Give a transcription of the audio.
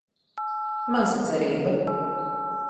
Maza cerība.